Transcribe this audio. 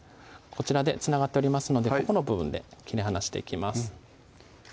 こちらでつながっておりますのでここの部分で切り離していきます